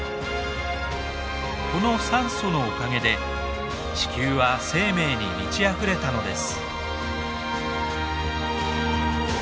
この酸素のおかげで地球は生命に満ちあふれたのです。